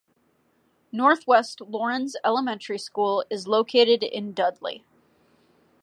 Northwest Laurens Elementary School is located in Dudley.